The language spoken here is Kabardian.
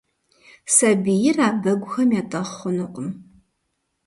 Сабийр а бэгухэм етӏэхъу хъунукъым.